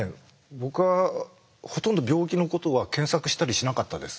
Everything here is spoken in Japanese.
僕はほとんど病気のことは検索したりしなかったです。